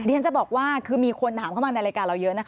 ฉันจะบอกว่าคือมีคนถามเข้ามาในรายการเราเยอะนะคะ